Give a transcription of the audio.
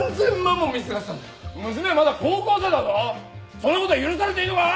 そんなことが許されていいのか！？